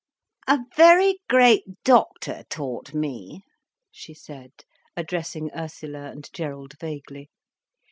"A very great doctor taught me," she said, addressing Ursula and Gerald vaguely.